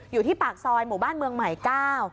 อยู่ที่ปากซอยหมู่บ้านเมืองใหม่เก้า